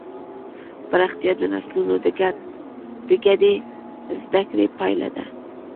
پراختیا د نسلونو د ګډې زدهکړې پایله ده.